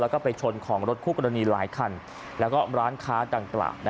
แล้วก็ไปชนของรถคู่กรณีหลายคันแล้วก็ร้านค้าดังกล่าว